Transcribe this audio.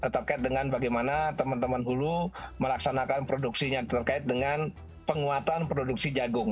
terkait dengan bagaimana teman teman hulu melaksanakan produksinya terkait dengan penguatan produksi jagung